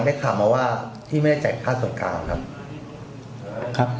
ได้ข่าวมาว่าพี่ไม่ได้จ่ายค่าส่วนกลางครับ